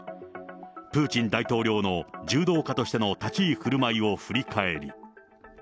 プーチン大統領の柔道家としての立ち居ふるまいを振り返り。